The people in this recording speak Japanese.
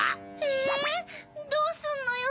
えどうすんのよ？